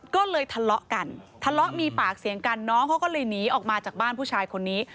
ก็เลยทะเลาะกันทะเลาะมีปากเสียงกันน้องเขาก็เลยหนีออกมาจากบ้านผู้ชายคนนี้